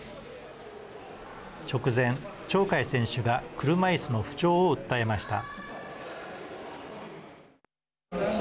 直前、鳥海選手が車いすの不調を訴えました。